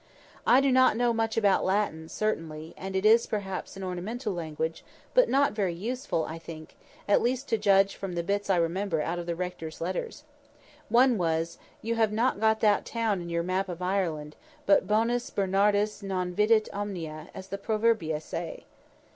I do not know much about Latin, certainly, and it is, perhaps, an ornamental language, but not very useful, I think—at least to judge from the bits I remember out of the rector's letters. One was, "You have not got that town in your map of Ireland; but Bonus Bernardus non videt omnia, as the Proverbia say."